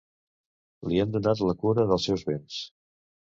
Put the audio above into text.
Li ha donat la cura dels seus béns.